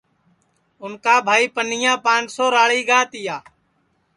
اُن کا بھائی پنیا پانسو راݪی گا تیا